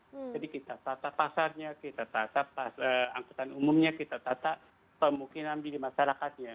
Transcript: jadi kita tata pasarnya kita tata angkutan umumnya kita tata kemungkinan diri masyarakatnya